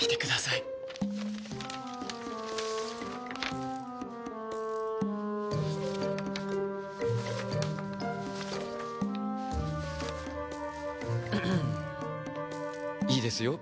いいですよ